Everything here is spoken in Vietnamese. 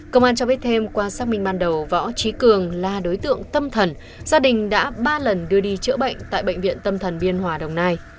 công an cho biết thêm qua xác minh ban đầu võ trí cường là đối tượng tâm thần gia đình đã ba lần đưa đi chữa bệnh tại bệnh viện tâm thần biên hòa đồng nai